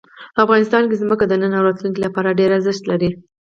افغانستان کې ځمکه د نن او راتلونکي لپاره ډېر ارزښت لري.